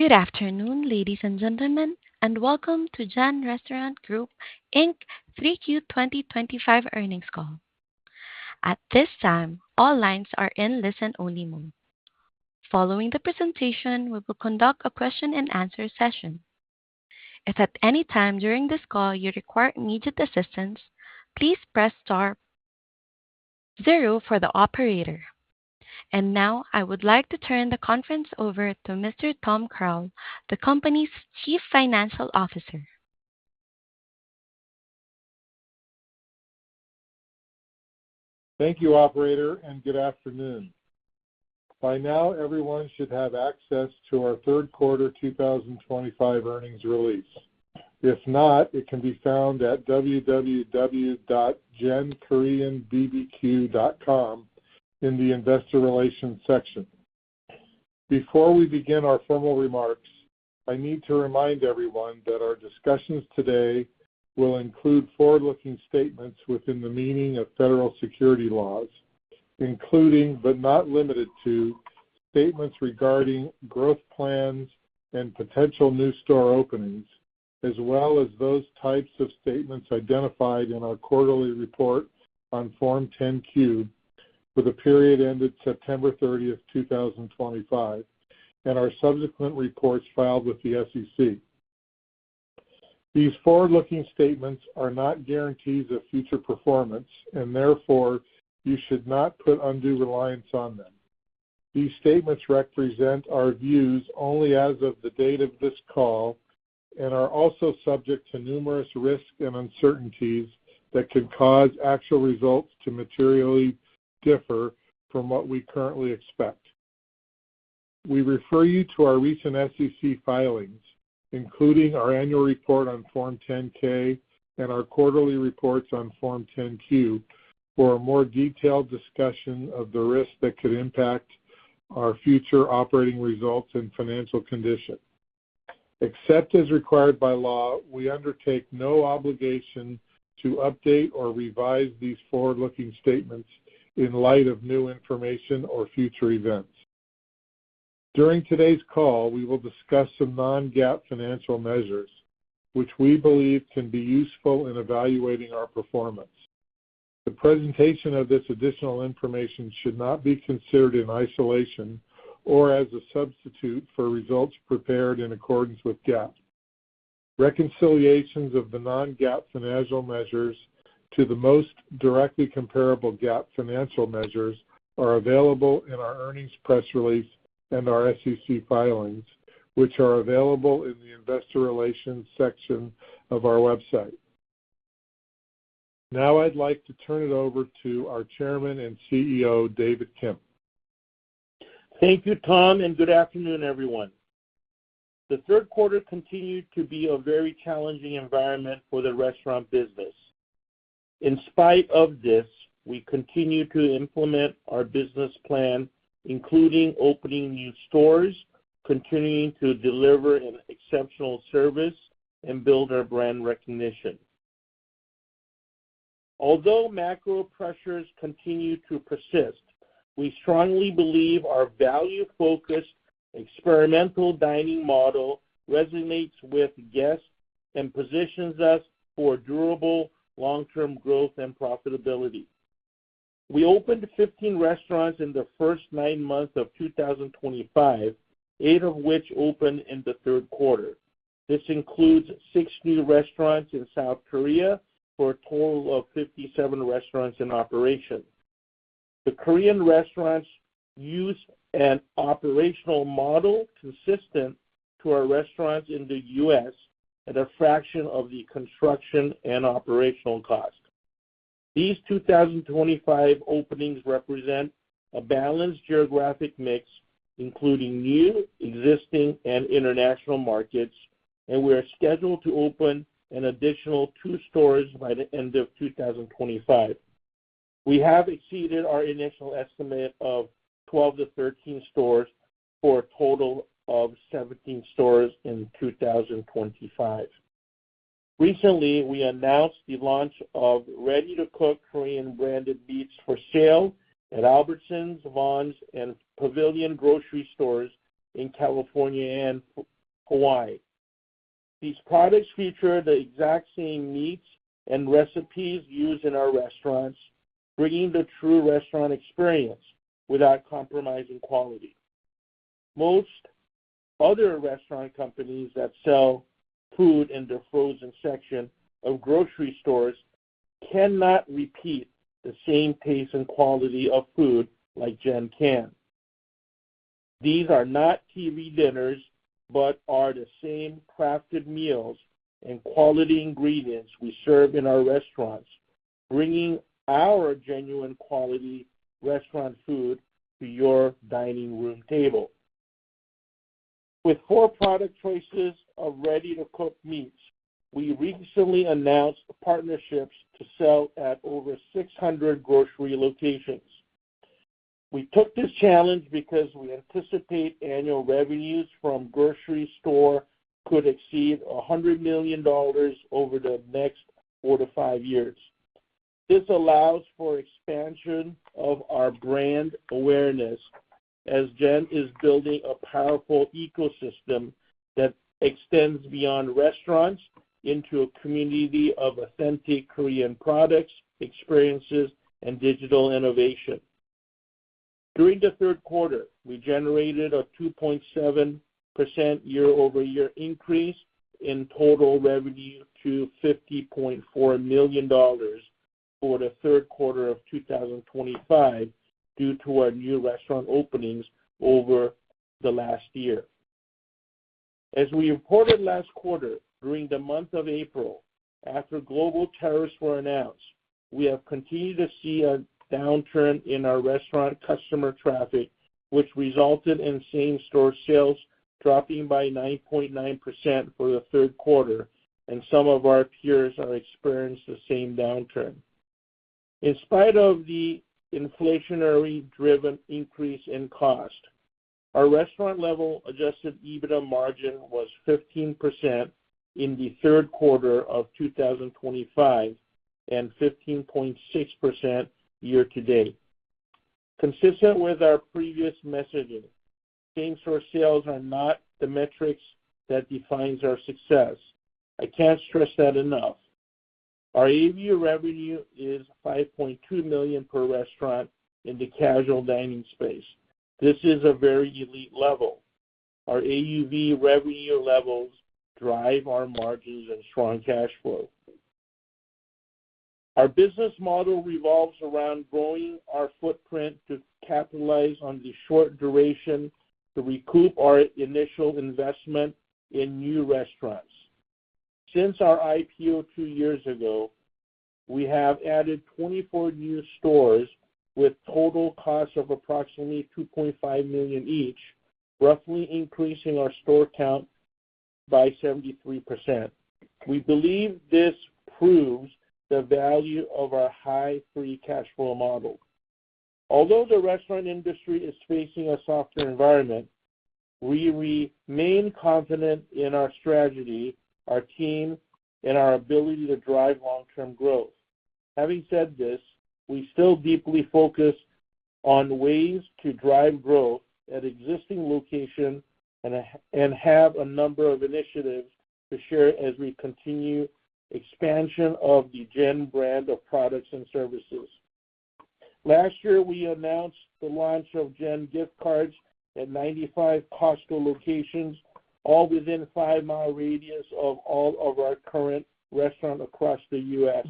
Good afternoon, ladies and gentlemen, and welcome to GEN Restaurant Group, Inc. 3Q 2025 earnings call. At this time, all lines are in listen-only mode. Following the presentation, we will conduct a question-and-answer session. If at any time during this call you require immediate assistance, please press star zero for the operator. And now, I would like to turn the conference over to Mr. Thomas Croal, the company's Chief Financial Officer. Thank you, Operator, and good afternoon. By now, everyone should have access to our third quarter 2025 earnings release. If not, it can be found at www.genkoreanbbq.com in the Investor Relations section. Before we begin our formal remarks, I need to remind everyone that our discussions today will include forward-looking statements within the meaning of federal securities laws, including but not limited to statements regarding growth plans and potential new store openings, as well as those types of statements identified in our quarterly report on Form 10-Q for the period ended September 30, 2025, and our subsequent reports filed with the SEC. These forward-looking statements are not guarantees of future performance, and therefore, you should not put undue reliance on them. These statements represent our views only as of the date of this call and are also subject to numerous risks and uncertainties that can cause actual results to materially differ from what we currently expect. We refer you to our recent SEC filings, including our annual report on Form 10-K and our quarterly reports on Form 10-Q, for a more detailed discussion of the risks that could impact our future operating results and financial condition. Except as required by law, we undertake no obligation to update or revise these forward-looking statements in light of new information or future events. During today's call, we will discuss some non-GAAP financial measures, which we believe can be useful in evaluating our performance. The presentation of this additional information should not be considered in isolation or as a substitute for results prepared in accordance with GAAP. Reconciliations of the non-GAAP financial measures to the most directly comparable GAAP financial measures are available in our earnings press release and our SEC filings, which are available in the Investor Relations section of our website. Now, I'd like to turn it over to our Chairman and CEO, David Kim. Thank you, Thomas, and good afternoon, everyone. The third quarter continued to be a very challenging environment for the restaurant business. In spite of this, we continue to implement our business plan, including opening new stores, continuing to deliver an exceptional service, and build our brand recognition. Although macro pressures continue to persist, we strongly believe our value-focused experimental dining model resonates with guests and positions us for durable long-term growth and profitability. We opened 15 restaurants in the first nine months of 2025, eight of which opened in the third quarter. This includes six new restaurants in South Korea for a total of 57 restaurants in operation. The Korean restaurants use an operational model consistent to our restaurants in the U.S. at a fraction of the construction and operational cost. These 2025 openings represent a balanced geographic mix, including new, existing, and international markets, and we are scheduled to open an additional two stores by the end of 2025. We have exceeded our initial estimate of 12 stores-13 stores for a total of 17 stores in 2025. Recently, we announced the launch of ready-to-cook Korean-branded meats for sale at Albertsons, Vons, and Pavilions grocery stores in California and Hawaii. These products feature the exact same meats and recipes used in our restaurants, bringing the true restaurant experience without compromising quality. Most other restaurant companies that sell food in the frozen section of grocery stores cannot repeat the same taste and quality of food like GEN can. These are not TV dinners but are the same crafted meals and quality ingredients we serve in our restaurants, bringing our genuine quality restaurant food to your dining room table. With four product choices of ready-to-cook meats, we recently announced partnerships to sell at over 600 grocery locations. We took this challenge because we anticipate annual revenues from grocery stores could exceed $100 million over the next 4 years-5 years. This allows for expansion of our brand awareness as GEN is building a powerful ecosystem that extends beyond restaurants into a community of authentic Korean products, experiences, and digital innovation. During the third quarter, we generated a 2.7% year-over-year increase in total revenue to $50.4 million for the third quarter of 2025 due to our new restaurant openings over the last year. As we reported last quarter, during the month of April, after global tariffs were announced, we have continued to see a downturn in our restaurant customer traffic, which resulted in same-store sales dropping by 9.9% for the third quarter, and some of our peers have experienced the same downturn. In spite of the inflationary-driven increase in cost, our restaurant-level Adjusted EBITDA margin was 15% in the third quarter of 2025 and 15.6% year-to-date. Consistent with our previous messaging, same-store sales are not the metrics that define our success. I can't stress that enough. Our AUV revenue is $5.2 million per restaurant in the casual dining space. This is a very elite level. Our AUV revenue levels drive our margins and strong cash flow. Our business model revolves around growing our footprint to capitalize on the short duration to recoup our initial investment in new restaurants. Since our IPO two years ago, we have added 24 new stores with a total cost of approximately $2.5 million each, roughly increasing our store count by 73%. We believe this proves the value of our high free cash flow model. Although the restaurant industry is facing a softer environment, we remain confident in our strategy, our team, and our ability to drive long-term growth. Having said this, we still deeply focus on ways to drive growth at existing locations and have a number of initiatives to share as we continue the expansion of the GEN brand of products and services. Last year, we announced the launch of GEN gift cards at 95 Costco locations, all within a 5-mi radius of all of our current restaurants across the U.S.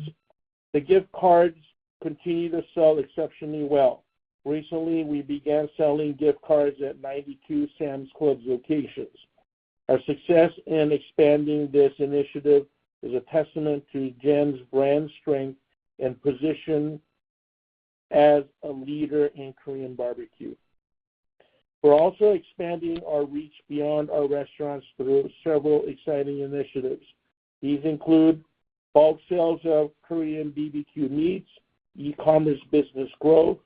The gift cards continue to sell exceptionally well. Recently, we began selling gift cards at 92 Sam's Club locations. Our success in expanding this initiative is a testament to GEN's brand strength and position as a leader in Korean barbecue. We're also expanding our reach beyond our restaurants through several exciting initiatives. These include bulk sales of Korean BBQ meats, e-commerce business growth,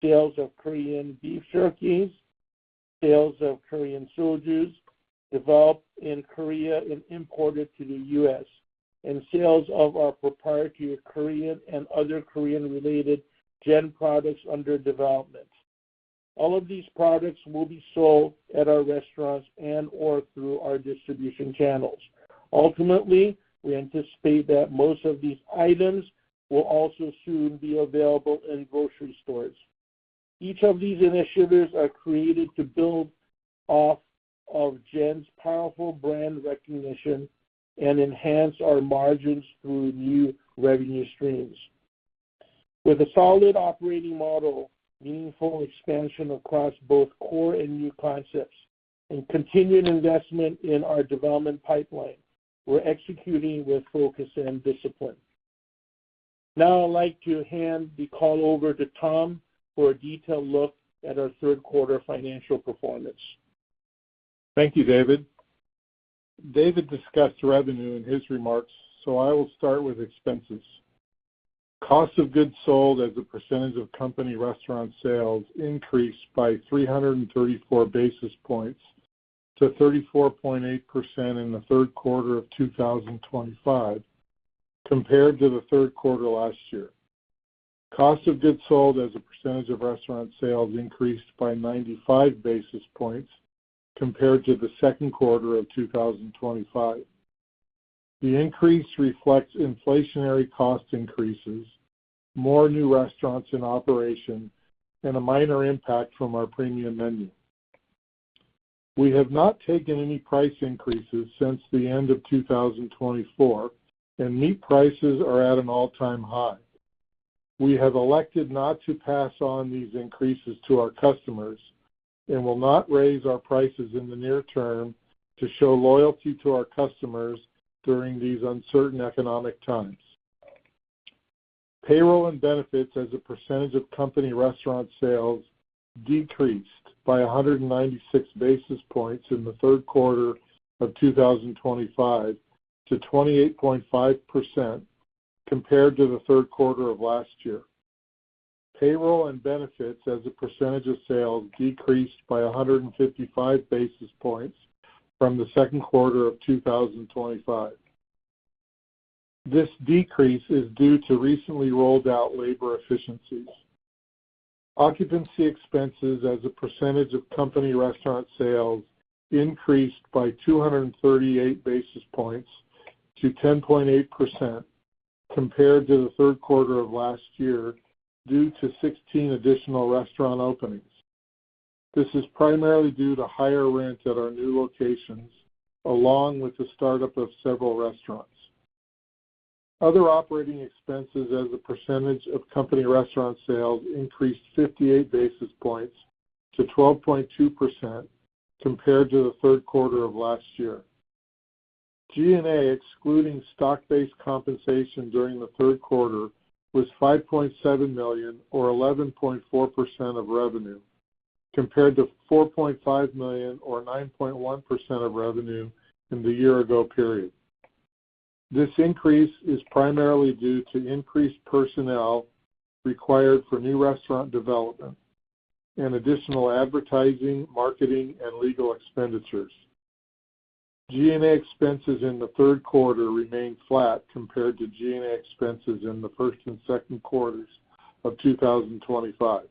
sales of Korean beef jerky, sales of Korean sojus developed in Korea and imported to the U.S., and sales of our proprietary Korean and other Korean-related GEN products under development. All of these products will be sold at our restaurants and/or through our distribution channels. Ultimately, we anticipate that most of these items will also soon be available in grocery stores. Each of these initiatives is created to build off of GEN's powerful brand recognition and enhance our margins through new revenue streams. With a solid operating model, meaningful expansion across both core and new concepts, and continued investment in our development pipeline, we're executing with focus and discipline. Now, I'd like to hand the call over to Thomas for a detailed look at our third quarter financial performance. Thank you, David. David discussed revenue in his remarks, so I will start with expenses. Cost of goods sold as a percentage of company restaurant sales increased by 334 basis points to 34.8% in the third quarter of 2025, compared to the third quarter last year. Cost of goods sold as a percentage of restaurant sales increased by 95 basis points compared to the second quarter of 2025. The increase reflects inflationary cost increases, more new restaurants in operation, and a minor impact from our premium menu. We have not taken any price increases since the end of 2024, and meat prices are at an all-time high. We have elected not to pass on these increases to our customers and will not raise our prices in the near term to show loyalty to our customers during these uncertain economic times. Payroll and benefits as a percentage of company restaurant sales decreased by 196 basis points in the third quarter of 2025 to 28.5% compared to the third quarter of last year. Payroll and benefits as a percentage of sales decreased by 155 basis points from the second quarter of 2025. This decrease is due to recently rolled-out labor efficiencies. Occupancy expenses as a percentage of company restaurant sales increased by 238 basis points to 10.8% compared to the third quarter of last year due to 16 additional restaurant openings. This is primarily due to higher rent at our new locations, along with the startup of several restaurants. Other operating expenses as a percentage of company restaurant sales increased 58 basis points to 12.2% compared to the third quarter of last year. G&A excluding stock-based compensation during the third quarter was $5.7 million, or 11.4% of revenue, compared to $4.5 million, or 9.1% of revenue in the year-ago period. This increase is primarily due to increased personnel required for new restaurant development and additional advertising, marketing, and legal expenditures. G&A expenses in the third quarter remained flat compared to G&A expenses in the first and second quarters of 2025.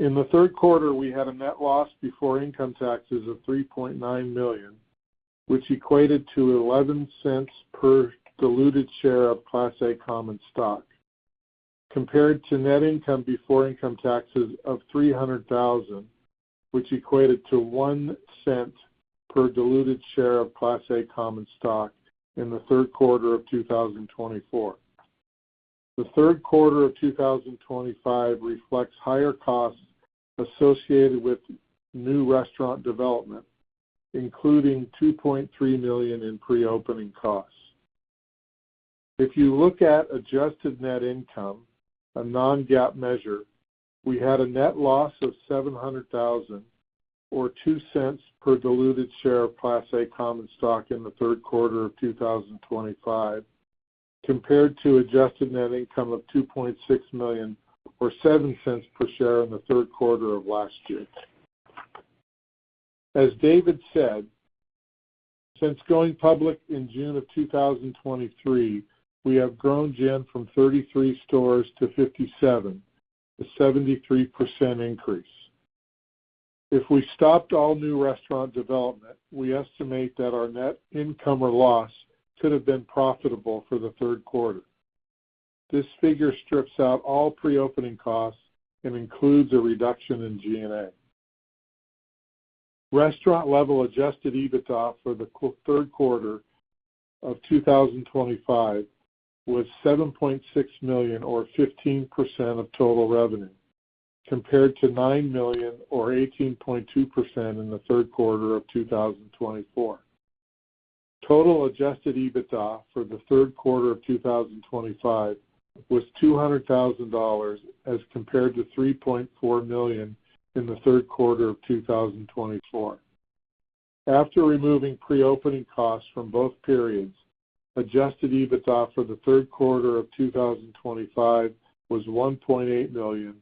In the third quarter, we had a net loss before income taxes of $3.9 million, which equated to $0.11 per diluted share of Class A common stock, compared to net income before income taxes of $300,000, which equated to $0.01 per diluted share of Class A common stock in the third quarter of 2024. The third quarter of 2025 reflects higher costs associated with new restaurant development, including $2.3 million in pre-opening costs. If you look at adjusted net income, a non-GAAP measure, we had a net loss of $700,000, or $0.02 per diluted share of Class A common stock in the third quarter of 2025, compared to adjusted net income of $2.6 million, or $0.07 per share in the third quarter of last year. As David said, since going public in June of 2023, we have grown GEN from 33 stores to 57, a 73% increase. If we stopped all new restaurant development, we estimate that our net income or loss could have been profitable for the third quarter. This figure strips out all pre-opening costs and includes a reduction in G&A. Restaurant-level Adjusted EBITDA for the third quarter of 2025 was $7.6 million, or 15% of total revenue, compared to $9 million, or 18.2% in the third quarter of 2024. Total Adjusted EBITDA for the third quarter of 2025 was $200,000, as compared to $3.4 million in the third quarter of 2024. After removing pre-opening costs from both periods, Adjusted EBITDA for the third quarter of 2025 was $1.8 million,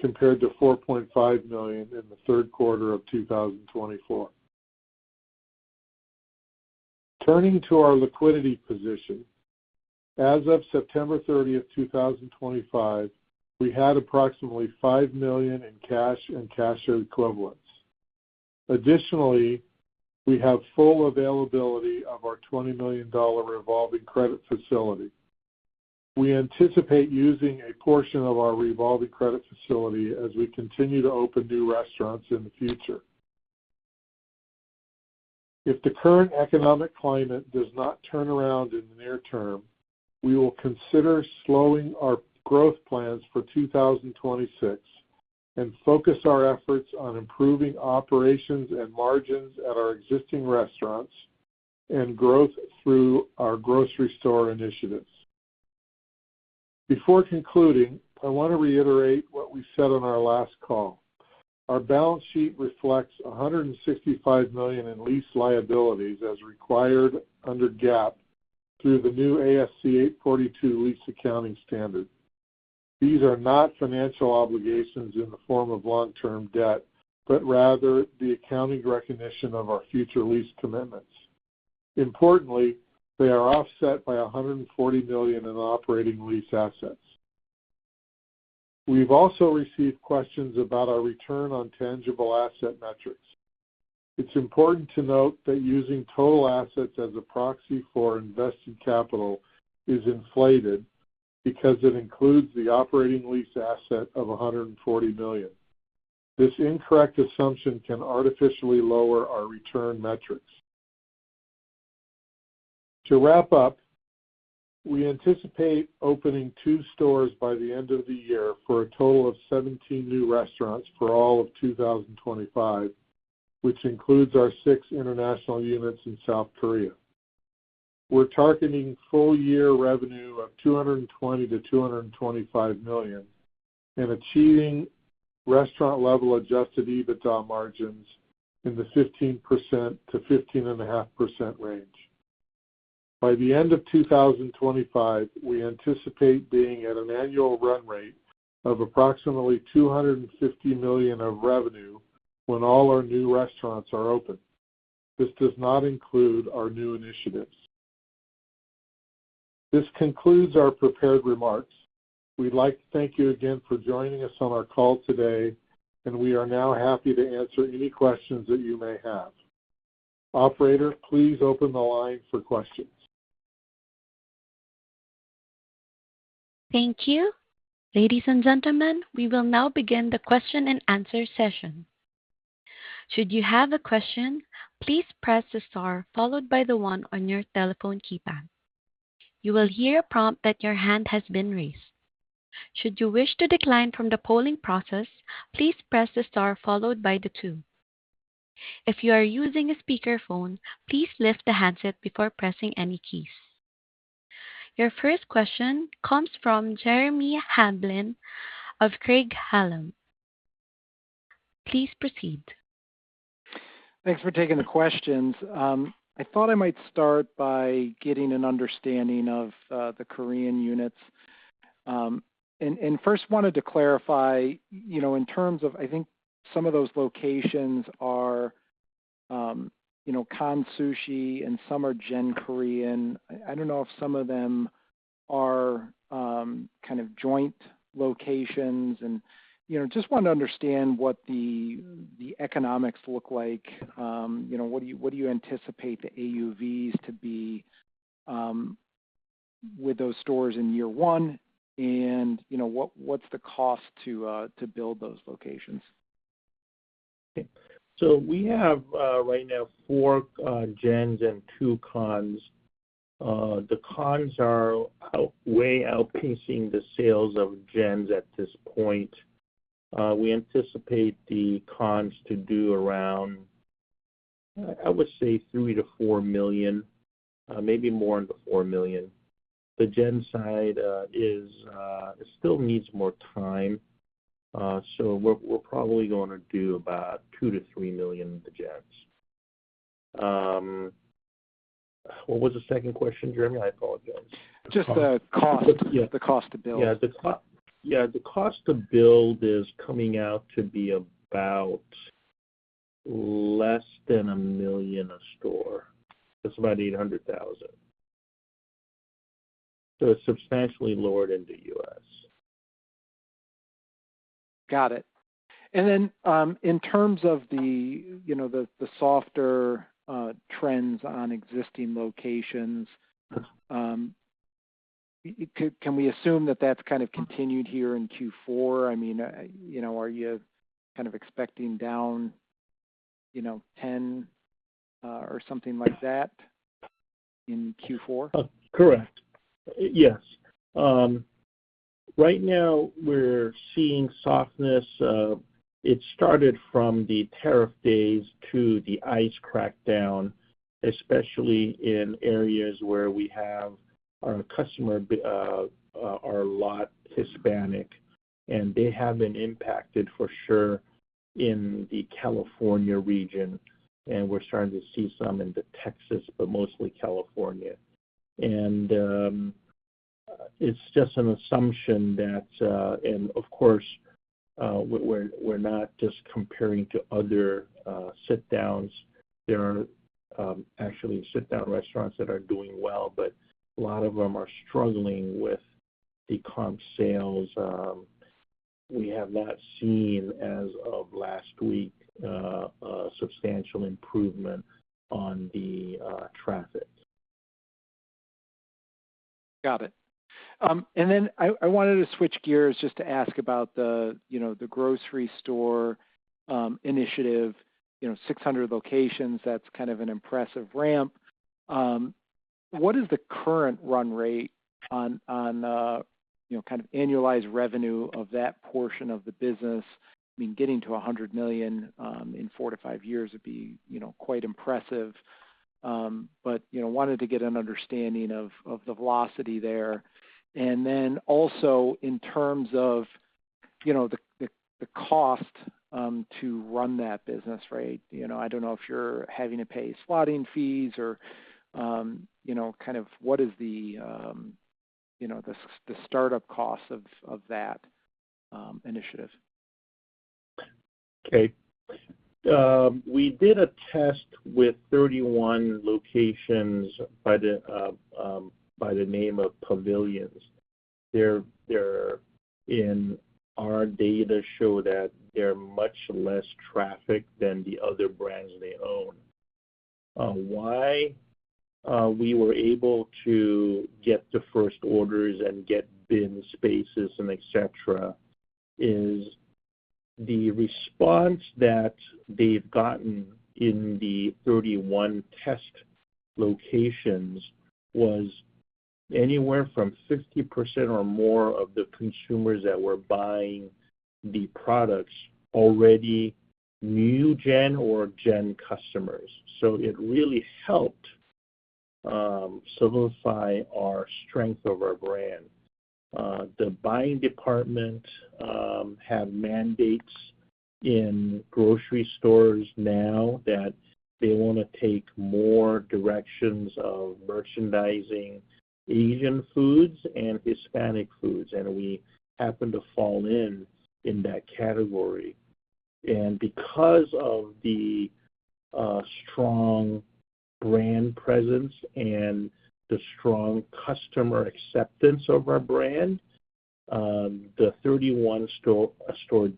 compared to $4.5 million in the third quarter of 2024. Turning to our liquidity position, as of September 30, 2025, we had approximately $5 million in cash and cash equivalents. Additionally, we have full availability of our $20 million revolving credit facility. We anticipate using a portion of our revolving credit facility as we continue to open new restaurants in the future. If the current economic climate does not turn around in the near term, we will consider slowing our growth plans for 2026 and focus our efforts on improving operations and margins at our existing restaurants and growth through our grocery store initiatives. Before concluding, I want to reiterate what we said on our last call. Our balance sheet reflects $165 million in lease liabilities as required under GAAP through the new ASC 842 lease accounting standard. These are not financial obligations in the form of long-term debt, but rather the accounting recognition of our future lease commitments. Importantly, they are offset by $140 million in operating lease assets. We've also received questions about our return on tangible asset metrics. It's important to note that using total assets as a proxy for invested capital is inflated because it includes the operating lease asset of $140 million. This incorrect assumption can artificially lower our return metrics. To wrap up, we anticipate opening two stores by the end of the year for a total of 17 new restaurants for all of 2025, which includes our six international units in South Korea. We're targeting full-year revenue of $220-$225 million and achieving restaurant-level Adjusted EBITDA margins in the 15%-15.5% range. By the end of 2025, we anticipate being at an annual run rate of approximately $250 million of revenue when all our new restaurants are open. This does not include our new initiatives. This concludes our prepared remarks. We'd like to thank you again for joining us on our call today, and we are now happy to answer any questions that you may have. Operator, please open the line for questions. Thank you. Ladies and gentlemen, we will now begin the question-and-answer session. Should you have a question, please press the star followed by the one on your telephone keypad. You will hear a prompt that your hand has been raised. Should you wish to decline from the polling process, please press the star followed by the two. If you are using a speakerphone, please lift the handset before pressing any keys. Your first question comes from Jeremy Hamblin of Craig-Hallum. Please proceed. Thanks for taking the questions. I thought I might start by getting an understanding of the Korean units. And first, I wanted to clarify, in terms of, I think some of those locations are Kan Sushi, and some are GEN Korean. I don't know if some of them are kind of joint locations. And just wanted to understand what the economics look like. What do you anticipate the AUVs to be with those stores in year one? And what's the cost to build those locations? Okay. So we have right now four GENs and two Kans. The Kans are way outpacing the sales of GENs at this point. We anticipate the Kans to do around, I would say, $3 million-$4 million, maybe more into $4 million. The GEN side still needs more time. So we're probably going to do about $2 million-$3 million with the GENs. What was the second question, Jeremy? I apologize. Just the cost to build? Yeah. The cost to build is coming out to be about less than $1 million a store. That's about $800,000. So it's substantially lowered in the U.S. Got it. And then in terms of the softer trends on existing locations, can we assume that that's kind of continued here in Q4? I mean, are you kind of expecting down 10% or something like that in Q4? Correct. Yes. Right now, we're seeing softness. It started from the tariff days to the ICE crackdown, especially in areas where we have our customer are a lot Hispanic, and they have been impacted for sure in the California region, and we're starting to see some in Texas, but mostly California. It's just an assumption that, and of course, we're not just comparing to other sit-downs. There are actually sit-down restaurants that are doing well, but a lot of them are struggling with the comp sales. We have not seen, as of last week, a substantial improvement on the traffic. Got it. And then I wanted to switch gears just to ask about the grocery store initiative, 600 locations. That's kind of an impressive ramp. What is the current run rate on kind of annualized revenue of that portion of the business? I mean, getting to $100 million in 4 years-5 years would be quite impressive. But wanted to get an understanding of the velocity there. And then also in terms of the cost to run that business, right? I don't know if you're having to pay slotting fees or kind of what is the startup cost of that initiative? Okay. We did a test with 31 locations by the name of Pavilions. Their data show that they're much less traffic than the other brands they own. Why we were able to get the first orders and get bin spaces and etc. is the response that they've gotten in the 31 test locations was anywhere from 50% or more of the consumers that were buying the products already knew GEN or GEN customers. So it really helped solidify our strength of our brand. The buying department has mandates in grocery stores now that they want to take more directions of merchandising Asian foods and Hispanic foods. And we happen to fall in that category. And because of the strong brand presence and the strong customer acceptance of our brand, the 31 store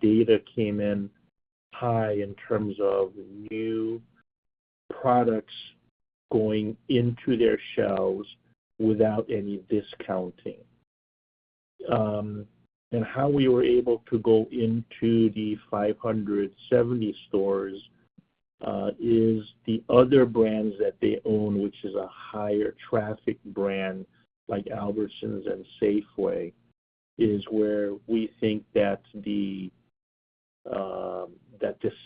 data came in high in terms of new products going into their shelves without any discounting. How we were able to go into the 570 stores is the other brands that they own, which is a higher traffic brand like Albertsons and Safeway, is where we think that the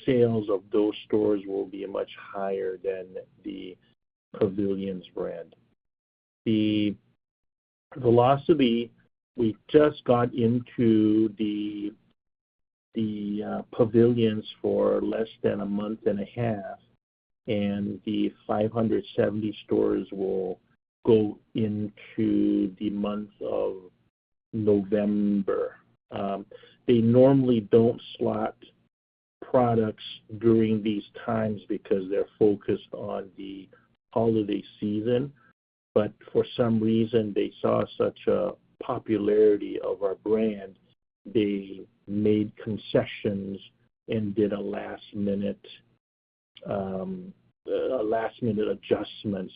sales of those stores will be much higher than the Pavilions brand. The velocity, we just got into the Pavilions for less than a month and a half, and the 570 stores will go into the month of November. They normally don't slot products during these times because they're focused on the holiday season. But for some reason, they saw such a popularity of our brand, they made concessions and did a last-minute adjustments.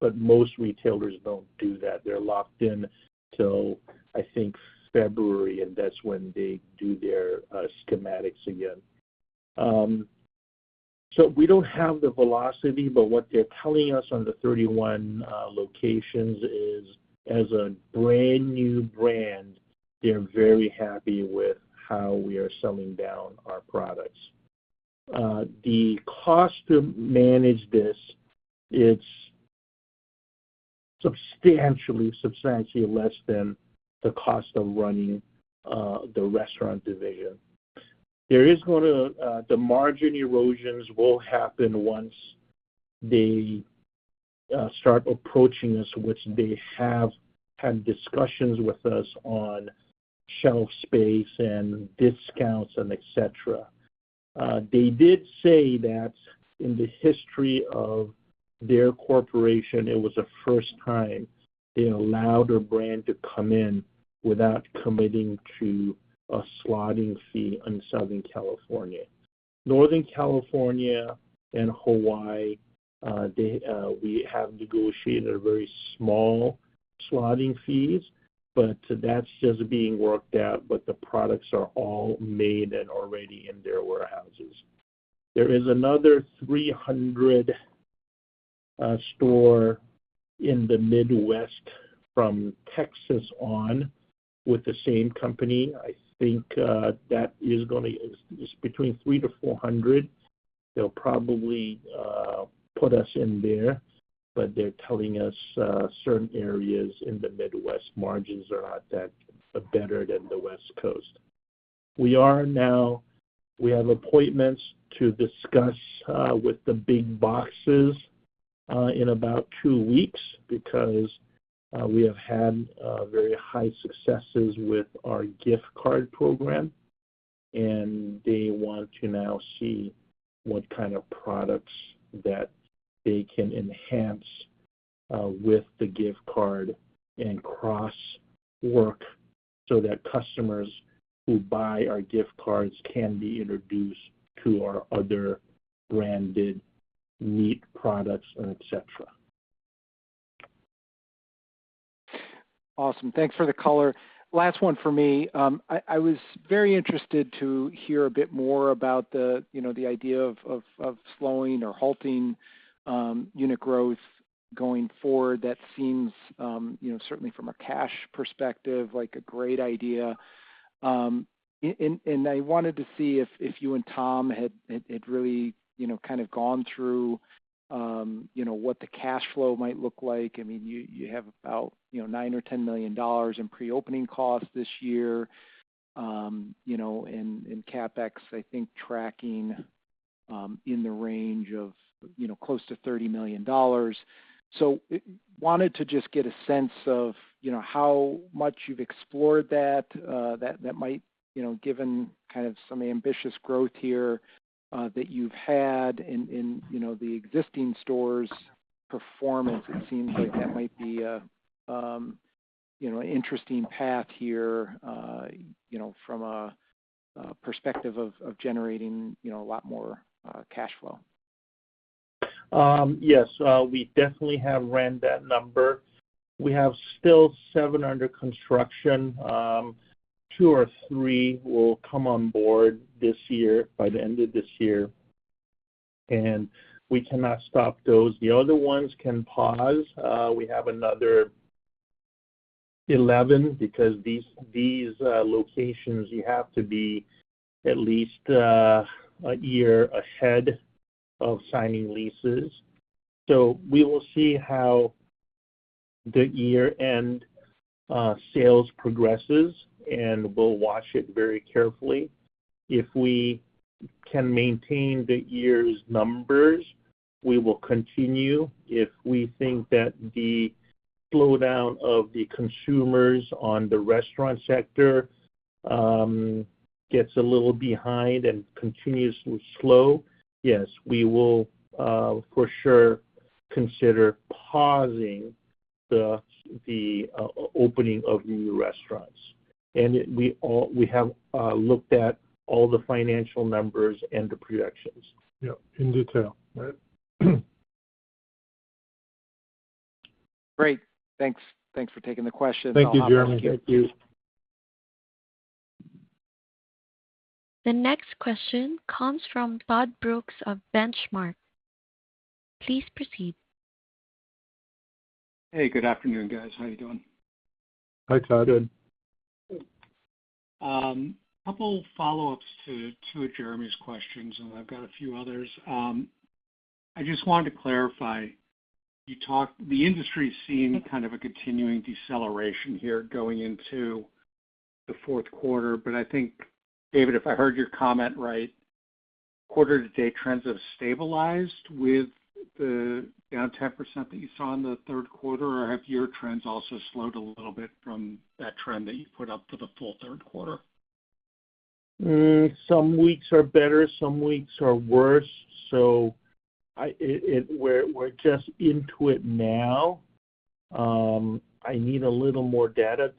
But most retailers don't do that. They're locked in till, I think, February, and that's when they do their schematics again. So we don't have the velocity, but what they're telling us on the 31 locations is, as a brand new brand, they're very happy with how we are selling down our products. The cost to manage this, it's substantially less than the cost of running the restaurant division. There is going to be margin erosions that will happen once they start approaching us, which they have had discussions with us on shelf space and discounts and etc. They did say that in the history of their corporation, it was the first time they allowed a brand to come in without committing to a slotting fee in Southern California. Northern California and Hawaii, we have negotiated very small slotting fees, but that's just being worked out. But the products are all made and already in their warehouses. There is another 300-store in the Midwest from Texas on with the same company. I think that is going to be between 300-400. They will probably put us in there, but they are telling us certain areas in the Midwest margins are not that better than the West Coast. We have appointments to discuss with the big boxes in about two weeks because we have had very high successes with our gift card program, and they want to now see what kind of products that they can enhance with the gift card and cross-work so that customers who buy our gift cards can be introduced to our other branded meat products and etc. Awesome. Thanks for the color. Last one for me. I was very interested to hear a bit more about the idea of slowing or halting unit growth going forward. That seems, certainly from a cash perspective, like a great idea, and I wanted to see if you and Thomas had really kind of gone through what the cash flow might look like. I mean, you have about $9 million-$10 million in pre-opening costs this year. And CapEx, I think, tracking in the range of close to $30 million, so I wanted to just get a sense of how much you've explored that. That might, given kind of some ambitious growth here that you've had in the existing stores' performance, it seems like that might be an interesting path here from a perspective of generating a lot more cash flow? Yes. We definitely have run that number. We have still seven under construction. Two or three will come on board this year, by the end of this year, and we cannot stop those. The other ones can pause. We have another 11 because these locations, you have to be at least a year ahead of signing leases. We will see how the year-end sales progress, and we'll watch it very carefully. If we can maintain the year's numbers, we will continue. If we think that the slowdown of the consumers on the restaurant sector gets a little behind and continues to slow, yes, we will for sure consider pausing the opening of the new restaurants. We have looked at all the financial numbers and the projections. Yeah. In detail. Great. Thanks for taking the question. Thank you, Jeremy. Thank you. The next question comes from Todd Brooks of Benchmark. Please proceed. Hey, good afternoon, guys. How are you doing? Hi, Todd. Good. A couple of follow-ups to Jeremy's questions, and I've got a few others. I just wanted to clarify. The industry is seeing kind of a continuing deceleration here going into the fourth quarter. But I think, David, if I heard your comment right, quarter-to-date trends have stabilized with the down 10% that you saw in the third quarter. Or have your trends also slowed a little bit from that trend that you put up for the full third quarter? Some weeks are better. Some weeks are worse. So we're just into it now. I need a little more data.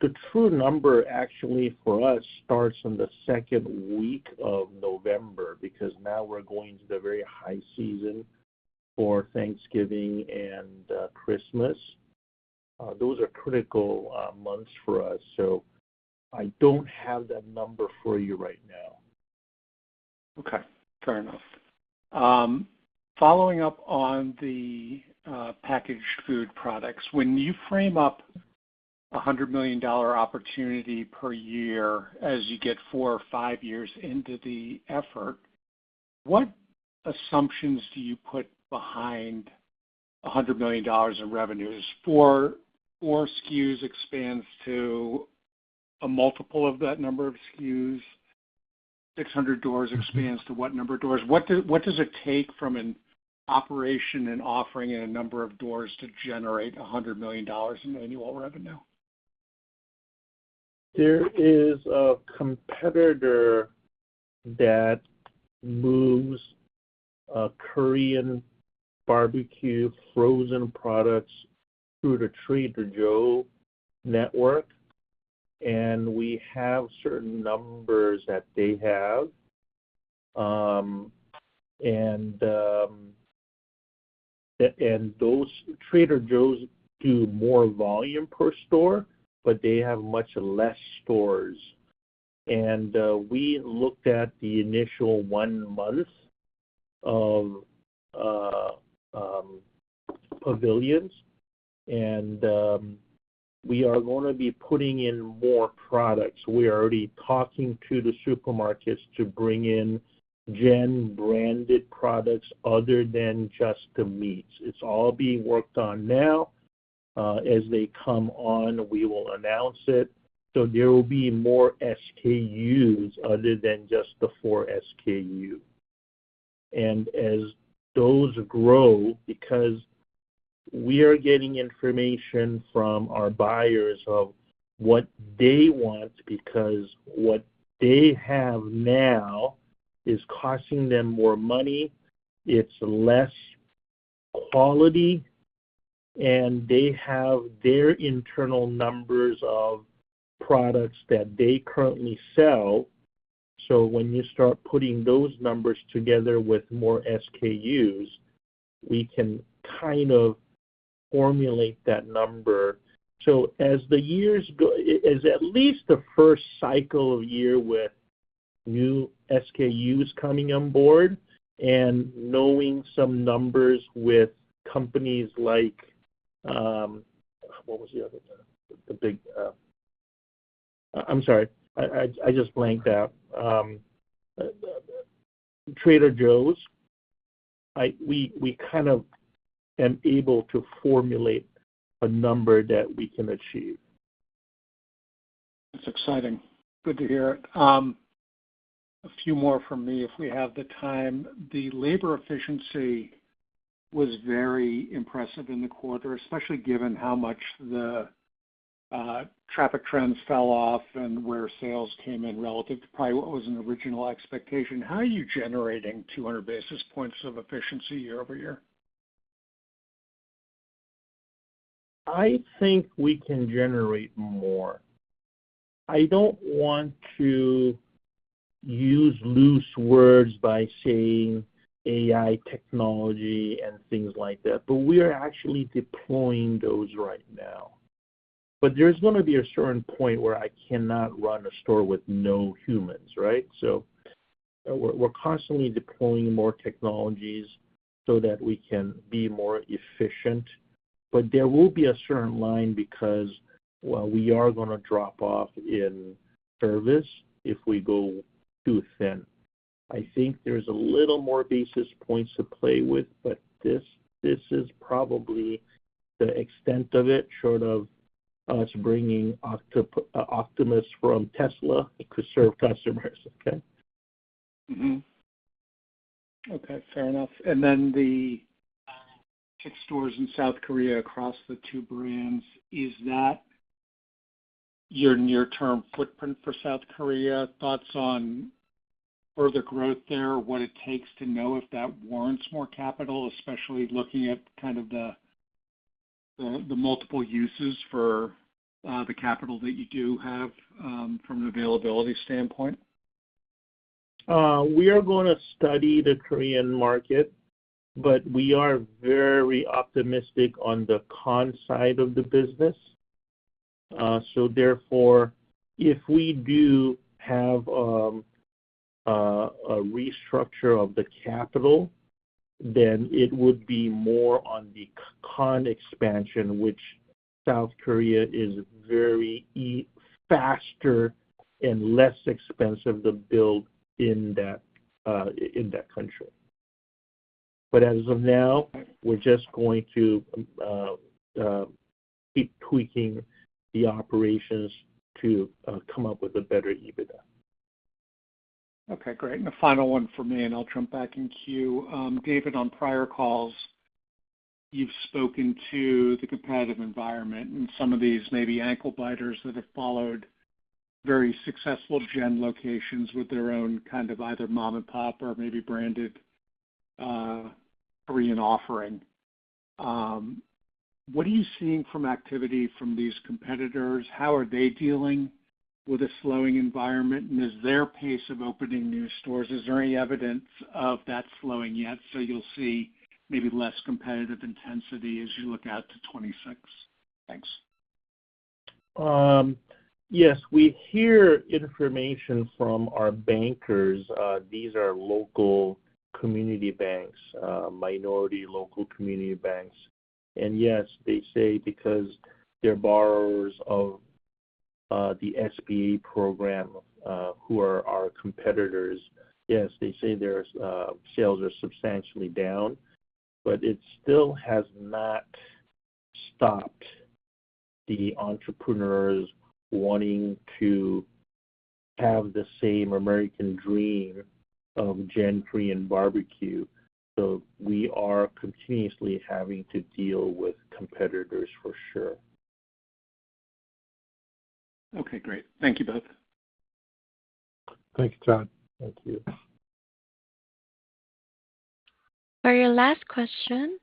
The true number, actually, for us starts in the second week of November because now we're going into the very high season for Thanksgiving and Christmas. Those are critical months for us. So I don't have that number for you right now. Okay. Fair enough. Following up on the packaged food products, when you frame up a $100 million opportunity per year as you get four or five years into the effort, what assumptions do you put behind $100 million in revenues? Four SKUs expands to a multiple of that number of SKUs. 600 doors expands to what number of doors? What does it take from an operation and offering in a number of doors to generate $100 million in annual revenue? There is a competitor that moves Korean barbecue frozen products through the Trader Joe's network. We have certain numbers that they have. Those Trader Joe's do more volume per store, but they have much less stores. We looked at the initial one month of Pavilions, and we are going to be putting in more products. We are already talking to the supermarkets to bring in GEN-branded products other than just the meats. It's all being worked on now. As they come on, we will announce it. There will be more SKUs other than just the four SKUs. As those grow, because we are getting information from our buyers of what they want because what they have now is costing them more money. It's less quality. They have their internal numbers of products that they currently sell. So when you start putting those numbers together with more SKUs, we can kind of formulate that number. So as the year is at least the first cycle of year with new SKUs coming on board and knowing some numbers with companies like what was the other one? I'm sorry. I just blanked out. Trader Joe's, we kind of are able to formulate a number that we can achieve. That's exciting. Good to hear it. A few more from me if we have the time. The labor efficiency was very impressive in the quarter, especially given how much the traffic trends fell off and where sales came in relative to probably what was an original expectation. How are you generating 200 basis points of efficiency year-over-year? I think we can generate more. I don't want to use loose words by saying AI technology and things like that, but we are actually deploying those right now. But there's going to be a certain point where I cannot run a store with no humans, right? So we're constantly deploying more technologies so that we can be more efficient. But there will be a certain line because, well, we are going to drop off in service if we go too thin. I think there's a little more basis points to play with, but this is probably the extent of it, short of us bringing Optimus from Tesla to serve customers, okay? Okay. Fair enough, and then the six stores in South Korea across the two brands, is that your near-term footprint for South Korea? Thoughts on further growth there, what it takes to know if that warrants more capital, especially looking at kind of the multiple uses for the capital that you do have from an availability standpoint? We are going to study the Korean market, but we are very optimistic on the Kan side of the business. So therefore, if we do have a restructure of the capital, then it would be more on the Kan expansion, which South Korea is very faster and less expensive to build in that country. But as of now, we're just going to keep tweaking the operations to come up with a better EBITDA. Okay. Great. And a final one for me, and I'll jump back in queue. David, on prior calls, you've spoken to the competitive environment and some of these maybe ankle-biters that have followed very successful GEN locations with their own kind of either mom-and-pop or maybe branded Korean offering. What are you seeing from activity from these competitors? How are they dealing with a slowing environment? And is there pace of opening new stores? Is there any evidence of that slowing yet? So you'll see maybe less competitive intensity as you look out to 2026. Thanks. Yes. We hear information from our bankers. These are local community banks, minority local community banks. And yes, they say because they're borrowers of the SBA program who are our competitors, yes, they say their sales are substantially down. But it still has not stopped the entrepreneurs wanting to have the same American dream of GEN Korean barbecue. So we are continuously having to deal with competitors for sure. Okay. Great. Thank you both. Thank you, Todd. Thank you. For your last question,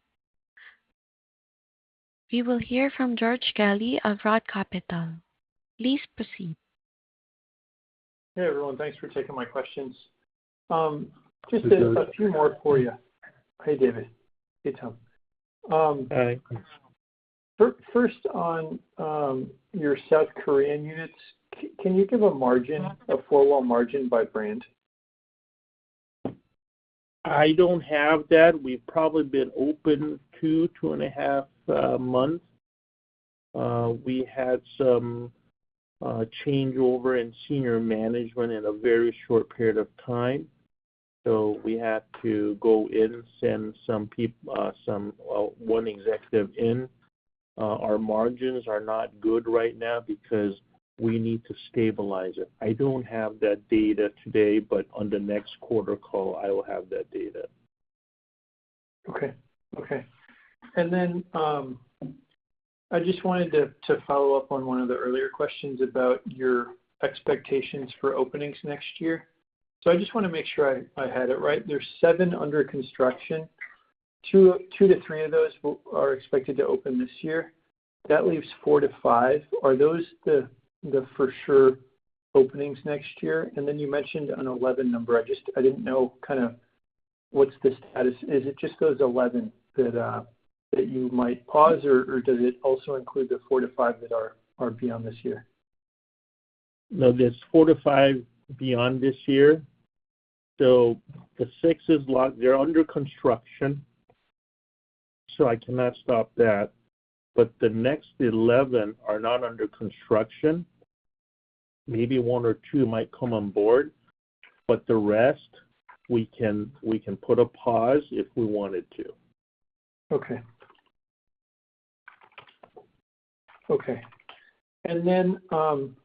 we will hear from George Kelly of Roth Capital. Please proceed. Hey, everyone. Thanks for taking my questions. Just a few more for you. Hey, David. Hey, Thomas. Hey. First, on your South Korean units, can you give a margin, a four-wall margin by brand? I don't have that. We've probably been open two, 2.5 months. We had some changeover in senior management in a very short period of time. So we had to go in, send someone executive in. Our margins are not good right now because we need to stabilize it. I don't have that data today, but on the next quarter call, I will have that data. Okay. Okay. And then I just wanted to follow up on one of the earlier questions about your expectations for openings next year. So I just want to make sure I had it right. There's seven under construction. 2-3 of those are expected to open this year. That leaves 4-5. Are those the for sure openings next year? And then you mentioned an 11 number. I didn't know kind of what's the status. Is it just those 11 that you might pause, or does it also include the four to five that are beyond this year? No, there's 4-5 beyond this year. So the six is locked. They're under construction. So I cannot stop that. But the next 11 are not under construction. Maybe one or two might come on board. But the rest, we can put a pause if we wanted to. Okay. And then the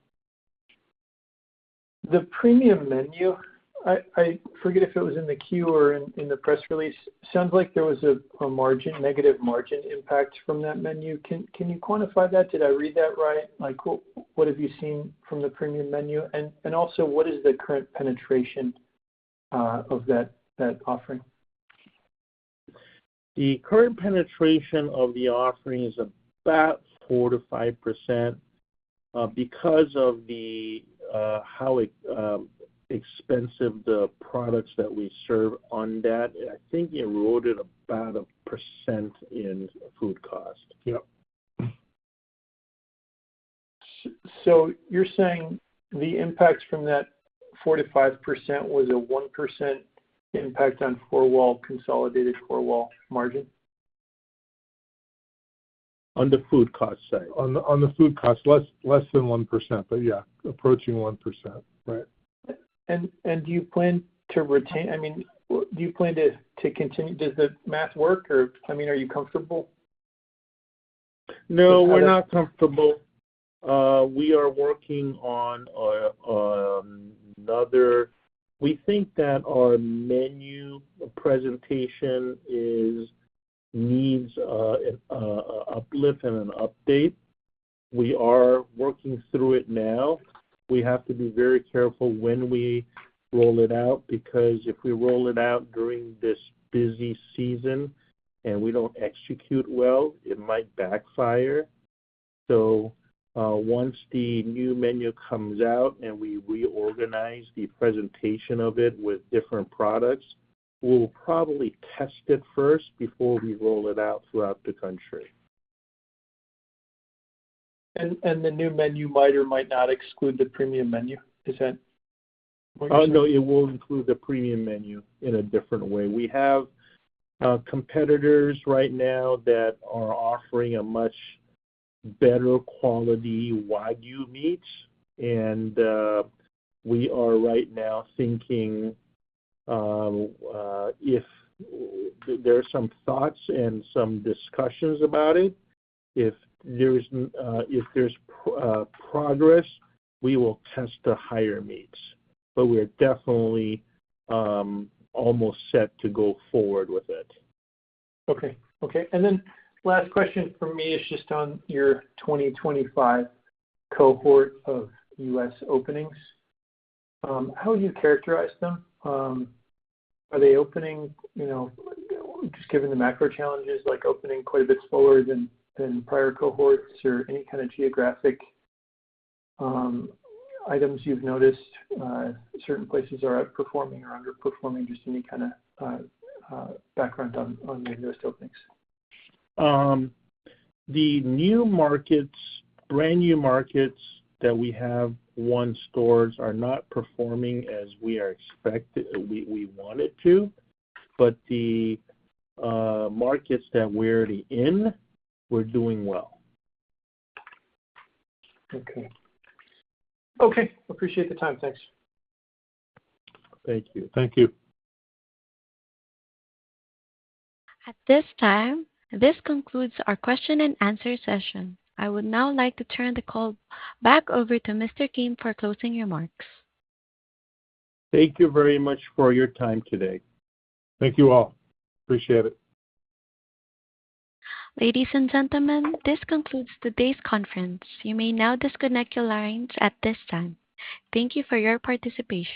premium menu, I forget if it was in the queue or in the press release. Sounds like there was a negative margin impact from that menu. Can you quantify that? Did I read that right? What have you seen from the premium menu? And also, what is the current penetration of that offering? The current penetration of the offering is about 4%-5% because of how expensive the products that we serve on that. I think it rolled in about 1% in food cost. Yep. So you're saying the impact from that 4%-5% was a 1% impact on four-wall consolidated four-wall margin? On the food cost side. On the food cost, less than 1%, but yeah, approaching 1%. Right. And do you plan to retain? I mean, do you plan to continue? Does the math work? Or I mean, are you comfortable? No, we're not comfortable. We are working on another we think that our menu presentation needs an uplift and an update. We are working through it now. We have to be very careful when we roll it out because if we roll it out during this busy season and we don't execute well, it might backfire, so once the new menu comes out and we reorganize the presentation of it with different products, we'll probably test it first before we roll it out throughout the country. The new menu might or might not exclude the premium menu. Is that what you're saying? Oh, no. It will include the premium menu in a different way. We have competitors right now that are offering a much better quality Wagyu meats. And we are right now thinking if there are some thoughts and some discussions about it. If there's progress, we will test the higher meats. But we're definitely almost set to go forward with it. Okay. Okay. And then last question for me is just on your 2025 cohort of U.S. openings. How would you characterize them? Are they opening, just given the macro challenges, opening quite a bit slower than prior cohorts or any kind of geographic items you've noticed? Certain places are outperforming or underperforming. Just any kind of background on the U.S. openings. The new markets, brand new markets that we have one store are not performing as we wanted to. But the markets that we're already in, we're doing well. Okay. Okay. Appreciate the time. Thanks. Thank you. Thank you. At this time, this concludes our question and answer session. I would now like to turn the call back over to Mr. Kim for closing remarks. Thank you very much for your time today. Thank you all. Appreciate it. Ladies and gentlemen, this concludes today's conference. You may now disconnect your lines at this time. Thank you for your participation.